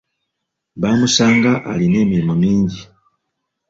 Bamusanga alina emirimu mingi.